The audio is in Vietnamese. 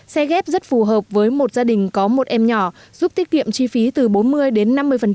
xe ghép rất phù hợp với một gia đình có một em nhỏ giúp tiết kiệm chi phí từ bốn mươi đến năm mươi